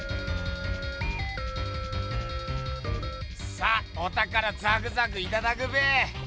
さあおたからザクザクいただくべ！